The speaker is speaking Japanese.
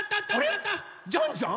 ジャンジャン？